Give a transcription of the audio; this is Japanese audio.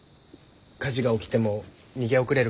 火事が起きても逃げ遅れるから？